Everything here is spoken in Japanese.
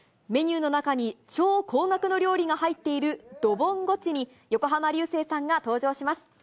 メニューの中に超高額の料理が入っているドボン・ゴチに、横浜流星さんが登場します。